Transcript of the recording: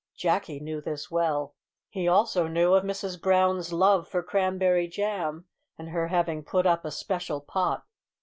Jacky knew this well. He also knew of Mrs Brown's love for cranberry jam, and her having put up a special pot.